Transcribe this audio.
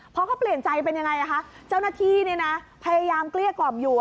พอเขาเปลี่ยนใจเป็นยังไงคะเจ้าหน้าที่เนี่ยนะพยายามเกลี้ยกล่อมอยู่